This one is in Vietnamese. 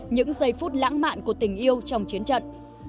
những giây phút lãng mạn của tình yêu trong chiến trận